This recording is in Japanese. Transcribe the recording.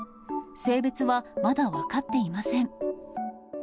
性別はまだ分かっていません。